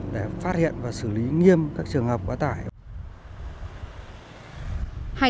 để phát hiện và xử lý nghiêm các trường hợp quá tải